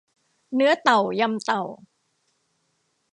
เนื้อเต่ายำเต่า